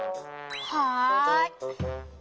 はい。